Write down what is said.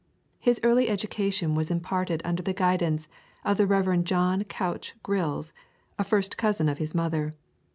His early education was imparted under the guidance of the Rev. John Couch Grylls, a first cousin of his mother.